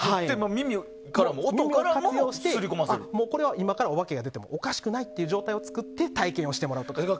耳を活用してこれからお化けが出てもおかしくないという状況を作って体験をしてもらいます。